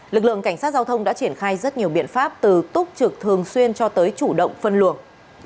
lực lượng cảnh sát giao thông đã triển khai rất nhiều biện pháp từ túc trực thường xuyên cho tới chủ động phân luồng